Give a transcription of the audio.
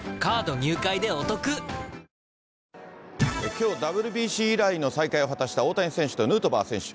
きょう、ＷＢＣ以来の再会を果たした大谷選手とヌートバー選手。